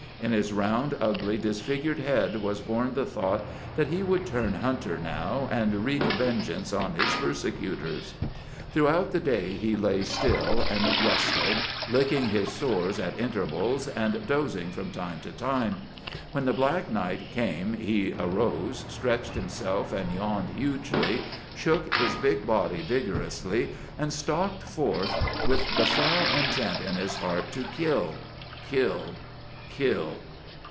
In his round, ugly, disfigured head was born the thought that he would turn hunter now, and wreak vengeance on his persecutors. Throughout the day he lay still and rested, licking his sores at intervals, and dozing from time to time. When the black night came he arose, stretched himself and yawned hugely, shook his big body vigorously and stalked forth with the fell intent in his heart to kill—kill—kill!